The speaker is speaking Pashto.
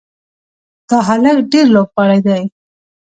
دا هلک ډېر لوبغاړی دی.